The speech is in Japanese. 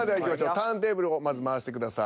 ターンテーブルをまず回してください。